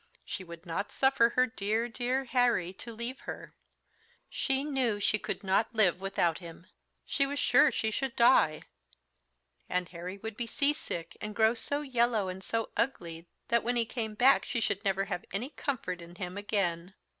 She would not suffer her dear, dear Harry to leave her. She knew she could not live without him; she was sure she should die; and Harry would be sea sick, and grow so yellow and so ugly that when he came back she should never have any comfort in him again.